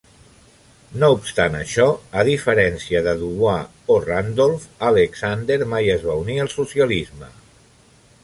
No obstant això, a diferència de Dubois o Randolph, Alexander mai es va unir al socialisme.